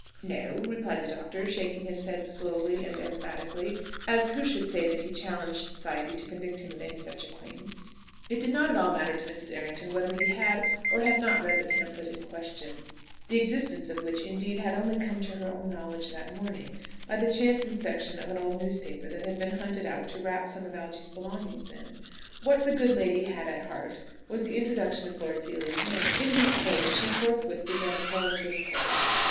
"No," replied the doctor, shaking his head slowly and emphatically, as who should say that he challenged society to convict him of any such acquaintance. It did not at all matter to Mrs. Errington whether he had or had not read the pamphlet in question, the existence of which, indeed, had only come to her own knowledge that morning, by the chance inspection of an old newspaper that had been hunted out to wrap some of Algy's belongings in. What the good lady had at heart was the introduction of Lord Seely's name, in whose praise she forthwith began a flowing discourse.